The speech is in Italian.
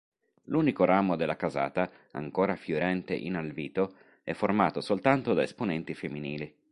L'unico ramo della casata, ancora fiorente in Alvito, è formato soltanto da esponenti femminili..